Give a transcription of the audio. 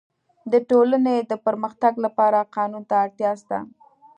د ټولني د پرمختګ لپاره قانون ته اړتیا سته.